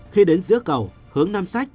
khi đến giữa cầu hướng nam sách